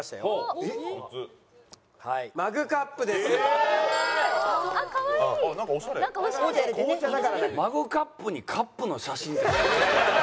マグカップにカップの写真って。